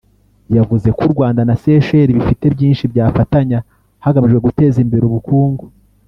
yavuze ko u Rwanda na Seychelles bifite byinshi byafatanya hagamijwe guteza imbere ubukungu